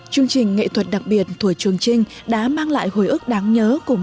chương trình nghệ thuật đặc biệt thủa trường trinh đã mang lại hồi ước đáng nhớ của những người đã trở thành nhân dân